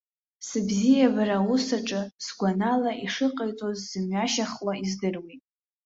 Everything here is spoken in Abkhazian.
Сыбзиабара аус аҿы, сгәанала, ишыҟаиҵоз сымҩашьахуа издыруеит.